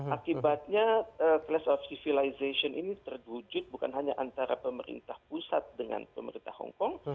akibatnya class of civilization ini terwujud bukan hanya antara pemerintah pusat dengan pemerintah hongkong